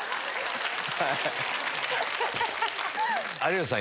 有吉さん